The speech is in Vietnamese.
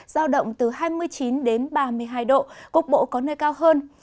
giao động từ hai mươi chín đến ba mươi hai độ cục bộ có nơi cao hơn